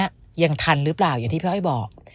ยังทันหรือเปล่าอย่างที่พี่อ้อยบอก